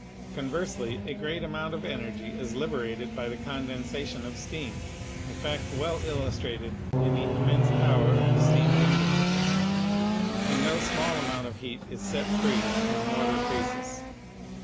Conversely a great amount of energy is liberated by the condensation of steam — a fact well illustrated in the immense power of the steam engine; and no small amount of heat is set free when water freezes.